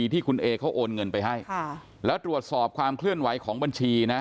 ที่คุณเอเขาโอนเงินไปให้แล้วตรวจสอบความเคลื่อนไหวของบัญชีนะ